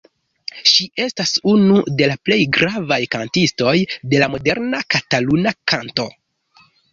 Ŝi estas unu de la plej gravaj kantistoj de la moderna kataluna kanto.